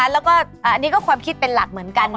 แล้วก็อันนี้ก็ความคิดเป็นหลักเหมือนกัน